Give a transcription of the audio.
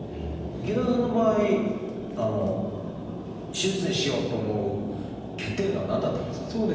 池田さんの場合手術にしようと思う決定打は何だったんですかね？